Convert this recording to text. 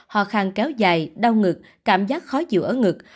hòa khang kéo dài đau ngực cảm giác khó chịu ở ngực